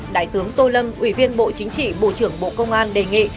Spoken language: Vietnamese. đại tướng tô lâm ủy viên bộ chính trị bộ trưởng bộ công an đề nghị